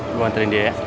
lo nganterin dia ya